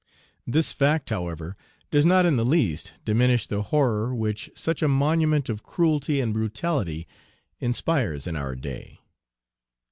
This fact, however, does not in the least diminish the horror which such a monument of cruelty and brutality inspires in our day.